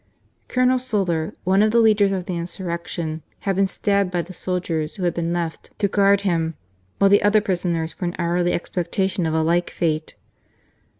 Colonel Soler, one of the leaders of the insurrection, had been stabbed by the soldiers who had been left to guard him, while the other prisoners were in hourly expectation of a like fate.